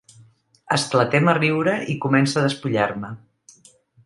Esclatem a riure i comença a despullar-me.